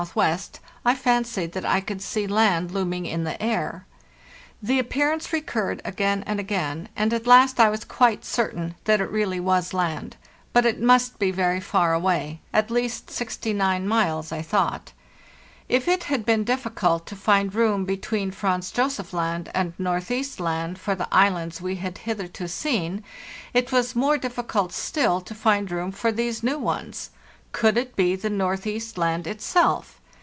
W., I fancied that I could see land looming in the air. The appearance recurred again and again, and at last I was quite certain that it really was land; but it must be very far away—at least 69 miles, I thought.* If it had been difficult to find room between Franz Josef Land and Northeast Land for the islands we had hitherto seen, it was more difficult still to find room for these new ones. Could it be the Northeast Land itself?